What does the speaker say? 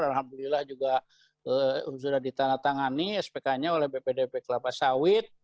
alhamdulillah juga sudah ditandatangani spk nya oleh bpdp kelapa sawit